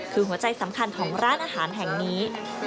คือหัวใจสำคัญของร้านอาหารแห่งนี้